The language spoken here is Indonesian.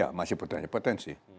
ya masih punya potensi